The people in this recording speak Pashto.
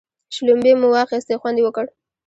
شلومبې مو واخيستې خوند یې وکړ.